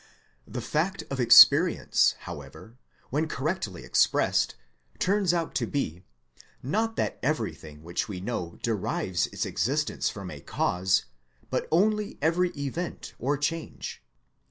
The fact of experience however, when correctly ex pressed, turns out to be, not that everything which we know derives its existence from a cause, but only every event or change.